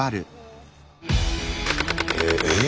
えっ？